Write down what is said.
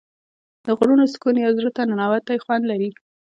د غرونو سکون یو زړه ته ننووتی خوند لري.